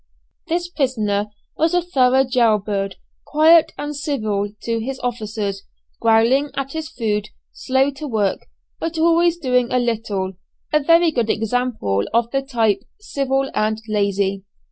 This prisoner was a thorough jail bird, quiet and civil to his officers, growling at his food, slow at work, but always doing a little a very good example of the type "civil and lazy."